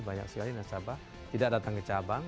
banyak sekali nasabah tidak datang ke cabang